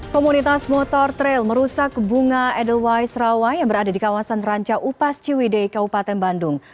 komunitas motor trail merusak bunga edelweiss rawai yang berada di kawasan ranca upas ciwidei kabupaten bandung